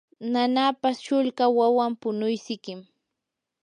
nanapa shulka wawan punuysikim.